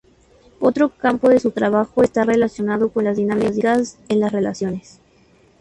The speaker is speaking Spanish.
Otro campo de su trabajo está relacionado con las dinámicas en las relaciones.